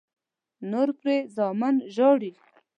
نور پرې زامن ژاړي.